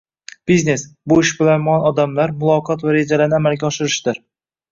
Biznes – bu ishbilarmon odamlar, muloqot va rejalarni amalga oshirishdir.